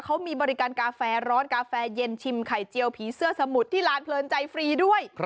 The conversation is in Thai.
เขามีบริการกาแฟร้อนกาแฟเย็นชิมไข่เจียวผีเสื้อสมุดที่ร้านเพลินใจฟรีด้วย